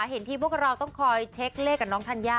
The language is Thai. เห็นทีมพวกเราต้องคอยเช็คเลขกับน้องธัญญา